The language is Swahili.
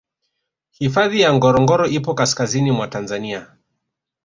hifadhi ya ngorongoro ipo kaskazini mwa tanzania